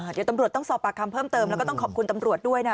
เดี๋ยวตำรวจต้องสอบปากคำเพิ่มเติมแล้วก็ต้องขอบคุณตำรวจด้วยนะ